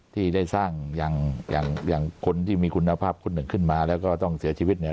ที่ได้สร้างอย่างอย่างคนที่มีคุณภาพคนหนึ่งขึ้นมาแล้วก็ต้องเสียชีวิตเนี่ย